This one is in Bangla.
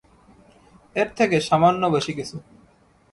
এর থেকে সামান্য বেশিকিছু।